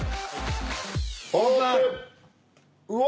オープン！